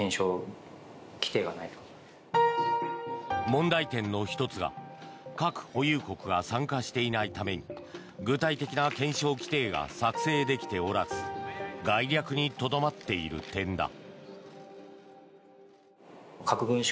問題点の１つが核保有国が参加していないために具体的な検証規定が作成できておらず概略にとどまっている点だ。